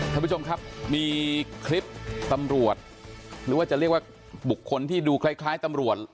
ท่านผู้ชมครับมีคลิปตำรวจหรือว่าจะเรียกว่าบุคคลที่ดูคล้ายตำรวจ